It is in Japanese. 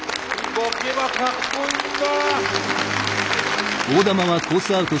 動けばかっこいいんだ。